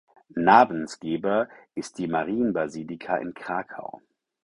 Namensgeber ist die Marienbasilika in Krakau.